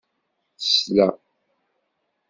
Tesla.